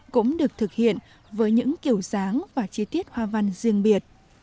cũng được thực hiện với những kiểu dáng và chi tiết hoa văn riêng biệt